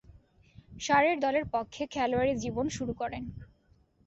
সারের দলের পক্ষে খেলোয়াড়ী জীবন শুরু করেন।